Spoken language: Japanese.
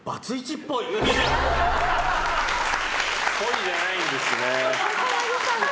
っぽいじゃないんですよ。